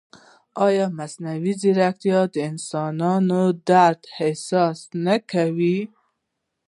ایا مصنوعي ځیرکتیا د انساني درد احساس نه کوي؟